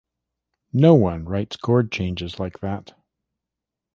No-one writes chord changes like that.